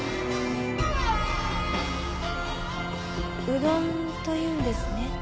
「うどん」というんですね